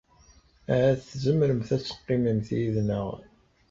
Ahat tzemremt ad teqqimemt yid-neɣ.